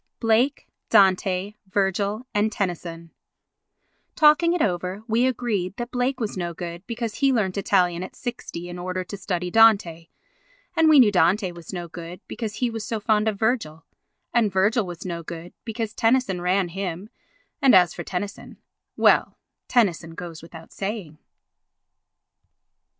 Blake, Dante, Virgil and Tennyson Talking it over, we agreed that Blake was no good because he learnt Italian at 60 in order to study Dante, and we knew Dante was no good because he was so fond of Virgil, and Virgil was no good because Tennyson ran him, and as for Tennyson—well, Tennyson goes without saying.